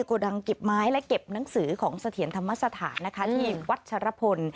ขอดำกิบไม้และเก็บหนังสือของสะเทียนธรรมสถานที่วัดชระพล